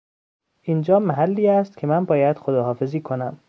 اینجا محلی است که من باید خداحافظی کنم.